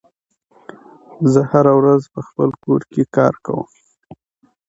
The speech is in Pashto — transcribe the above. زه هره ورځ په خپل کور کې کار کوم.